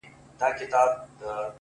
که تریخ دی زما دی؛